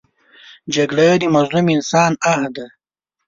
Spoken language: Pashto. جګړه د مظلوم انسان آه دی